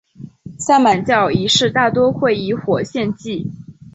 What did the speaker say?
萨满教仪式大多会以火献祭。